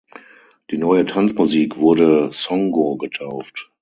Die neue Tanzmusik wurde "Songo" getauft.